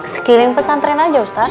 sekiling pesantren aja ustadz